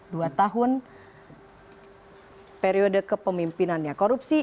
dua tahun periode kepemimpinannya korupsi